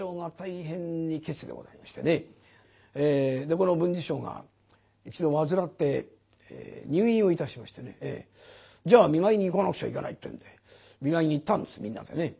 この文治師匠が一度患って入院をいたしましてねじゃあ見舞いに行かなくちゃいけないってんで見舞いに行ったんですみんなでね。